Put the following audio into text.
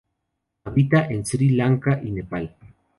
Habita en Sri Lanka y Nepal.